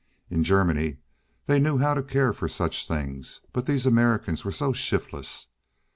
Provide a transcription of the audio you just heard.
In Germany they knew how to care for such things, but these Americans were so shiftless.